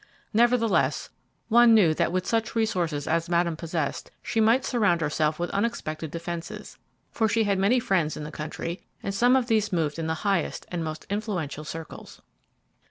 Nevertheless, one knew that with such resources as Madame possessed she might surround herself with unexpected defences, for she had many friends in the country, and some of these moved in the highest and most influential circles.